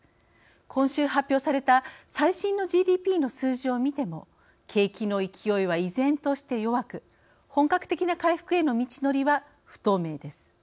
今週発表された最新のＧＤＰの数字をみても景気の勢いは依然として弱く本格的な回復への道のりは不透明です。